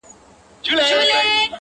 قرآن يې د ښايست ټوله صفات راته وايي,